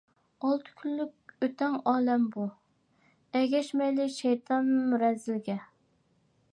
ئالتە كۈنلۈك ئۆتەڭ ئالەم بۇ، ئەگەشمەيلى شەيتان رەزىلگە.